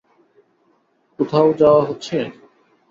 কোথাও যাওয়া হচ্ছে?